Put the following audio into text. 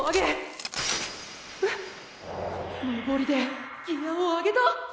登りでギアを上げた！？